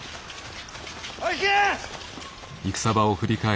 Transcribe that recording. おい引け！